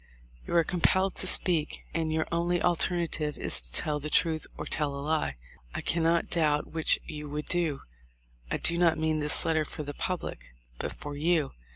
You are compelled to speak; and your only alternative is to tell the truth or tell a lie. I can not doubt which you would do ... I do not mean this letter for the public, but for you.